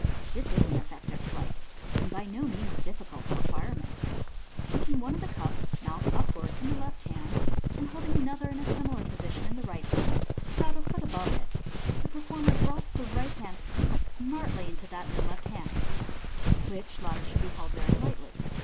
— This is an effective sleight, and by no means difficult of acquirement. Taking one of the cups, mouth upwards, in the left h? nd, and holding another in a similar position in the right hand, about a foot above it, the performer drops the right hand cup s nartly into that in the left hand (which latter should be held very lightly).